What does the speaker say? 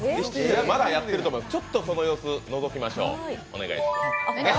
まだやってると思います、その様子のぞきましょう。